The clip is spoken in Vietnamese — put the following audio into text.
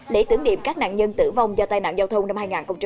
lễ tưởng niệm các nạn nhân tử vong do tai nạn giao thông năm hai nghìn một mươi chín